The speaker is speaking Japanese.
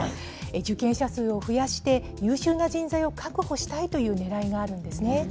受験者数を増やして、優秀な人材を確保したいというねらいがあるんですね。